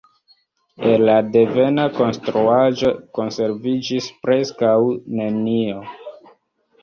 El la devena konstruaĵo konserviĝis preskaŭ nenio.